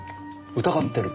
疑ってる？